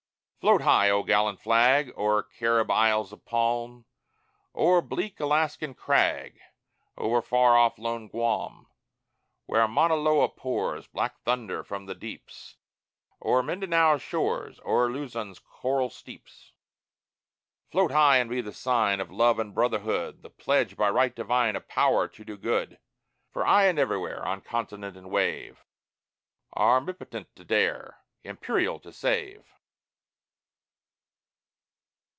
Float high, O gallant flag, O'er Carib Isles of palm, O'er bleak Alaskan crag, O'er far off lone Guam; Where Mauna Loa pours Black thunder from the deeps; O'er Mindanao's shores, O'er Luzon's coral steeps. Float high, and be the sign Of love and brotherhood, The pledge, by right divine Of Power, to do good; For aye and everywhere, On continent and wave, Armipotent to dare, Imperial to save!